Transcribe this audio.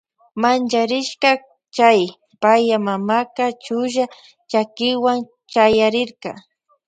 Mancharishpa chay paya mamaka chulla chakiwan chayarirka.